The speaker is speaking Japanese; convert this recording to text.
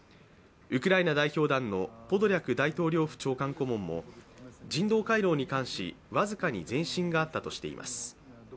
ウクライナ代表団のポドリャク大統領府長官顧問も人道回廊に関し僅かに前進があったとしています。